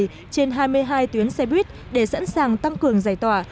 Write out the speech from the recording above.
trên hai mươi hai tuyến xe buýt để sẵn sàng tăng cường giải tỏa